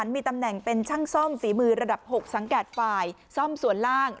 มีตำแหน่งเป็นช่างซ่อมฝีมือระดับ๖สังกัดฝ่ายซ่อมส่วนล่าง